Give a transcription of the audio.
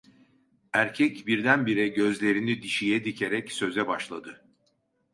Erkek birdenbire gözlerini dişiye dikerek söze başladı: